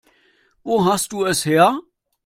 Wo hast du es her?